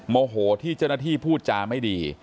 โมโหที่เจ้าหน้าที่พูดจาไม่ดี